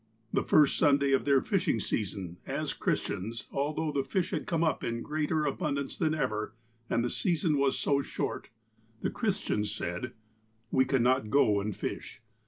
The first Sunday of their fishing season, as Christians, although the fish had come up in greater abundance than ever, and the season was so short, the Christians said :"' We cannot go and fish.'